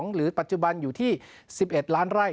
หรือปัจจุบันอยู่ที่๑๑ล้านไร่